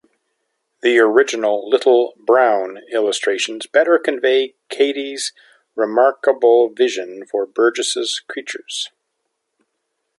The original Little, Brown illustrations better convey Cady's remarkable vision for Burgess' creatures.